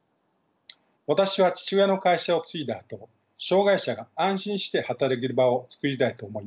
私は父親の会社を継いだあと障害者が安心して働ける場を作りたいと思い